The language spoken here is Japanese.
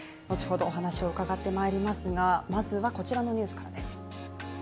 後ほどお話を伺ってまいりますがまずはこちらのニュースです。